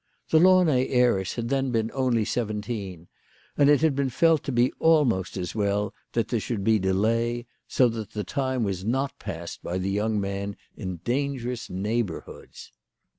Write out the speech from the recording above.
The Launay heiress had then only been seventeen, and it had been felt to be almost as well that there should be delay, so that the time was not passed by the young man in dangerous neighbourhoods.